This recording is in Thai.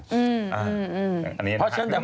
ครูปีช่าเขายังสามารถต่อสู้ในชั้นศาลได้อยู่